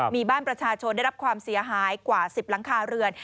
มีบ้านประชาชนได้รับความเสียหายกว่า๑๐หลังคาเรือน